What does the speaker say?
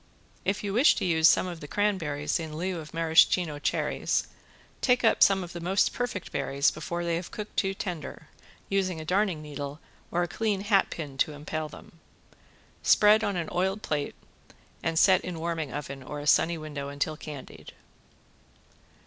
If you wish to use some of the cranberries in lieu of Maraschino cherries, take up some of the most perfect berries before they have cooked too tender, using a darning needle or clean hat pin to impale them. Spread on an oiled plate and set in warming oven or a sunny window until candied.